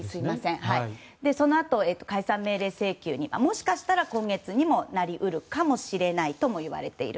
そのあと、解散命令請求にもしかしたら今月にもなり得るかもしれないともいわれている。